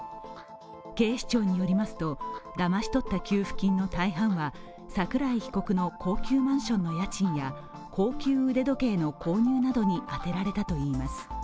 警視庁によりますと、だまし取った給付金の大半は桜井被告の高級マンションの家賃や高級腕時計の購入などに充てられたといいます。